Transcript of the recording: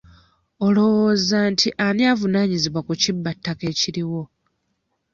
Olowooza nti ani avunaanyizibwa ku kibbattaka ekiriwo?